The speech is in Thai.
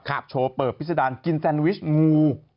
โชว์เปิดพิษดารกินแซนวิชงู